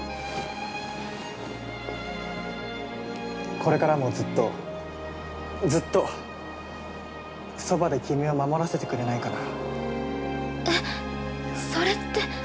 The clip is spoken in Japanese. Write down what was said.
◆これからもずっとずっと、そばで君を守らせてくれないかな。